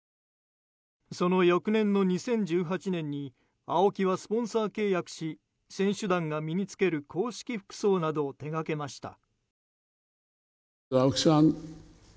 その翌年の２０１８年にＡＯＫＩはスポンサー契約し選手団が身に着ける公式服装などを手掛けました。